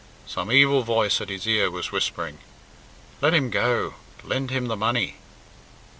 Some evil voice at his ear was whispering, "Let him go; lend him the money."